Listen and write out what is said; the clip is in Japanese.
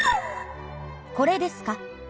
これですか？